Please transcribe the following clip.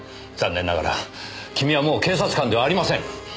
残念ながら君はもう警察官ではありません。